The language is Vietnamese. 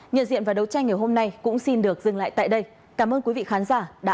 nhận diện và đấu tranh ngày hôm nay cũng xin được dừng lại tại đây cảm ơn quý vị khán giả đã quan tâm theo dõi